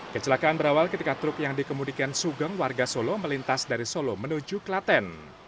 kecelakaan berawal ketika truk yang dikemudikan sugeng warga solo melintas dari solo menuju klaten